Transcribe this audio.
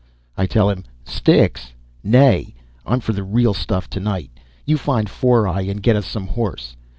I tell him: "Sticks? Nay. I'm for real stuff tonight. You find Four Eye and get us some horse."